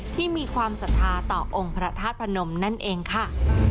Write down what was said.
ที่มีความศรัทธาต่อองค์พระธาตุพนมนั่นเองค่ะ